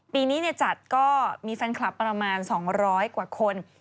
ปีนี้จัดก็มีแฟนคลับประมาณ๒๐๐กว่าคน